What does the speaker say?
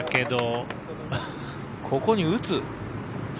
ここに打つ？